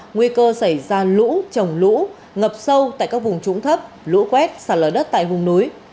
nguy cơ xảy ra lũ trồng lũ ngập sâu tại các vùng trũng thấp lũ quét sạt lở đất tại vùng núi